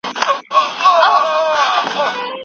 د پوهنتونونو په نصاب کي د عملي مهارتونو برخه کمه نه وه.